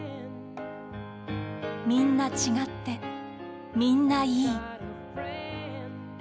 「みんな違って、みんないい」。